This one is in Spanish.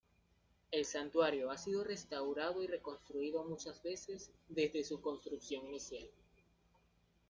El santuario ha sido restaurado y reconstruido muchas veces desde su construcción inicial.